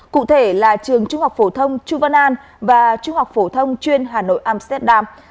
cụ thể là trường trung học phổ thông chu văn an và trung học phổ thông chuyên hà nội amsterdam